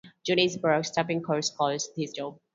Johnnie's back-stabbing costs Cass his job.